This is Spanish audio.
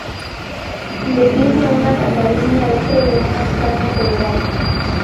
Defiende una Cataluña dentro de una España federal.